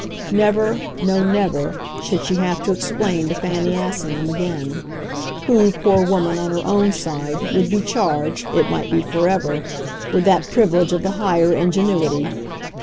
Never, no never, should she have to explain to Fanny Assingham again who, poor woman, on her own side, would be charged, it might be forever, with that privilege of the higher ingenuity.